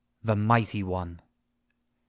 The mighty one !